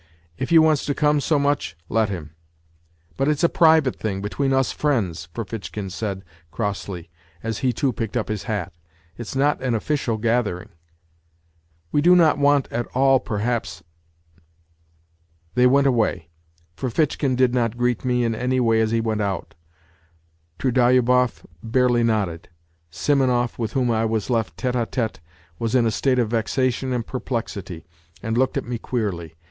" If he wants to come so much, let him." " But it's a private thing, between us friends," Ferfitchkin said crossly, as he, too, picked up his hat. " It's not an official gathering." " We do not want at all, perhaps ..." They went away. Ferfitchkin did not greet me in any way as he went out, Trudolyubov barely nodded. Simonov, with whom I was left tete d tSte, was in a state of vexation and perplexity, and looked at me queerly.